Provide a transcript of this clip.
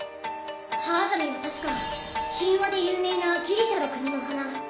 「ハアザミ」は確か神話で有名なギリシャの国の花。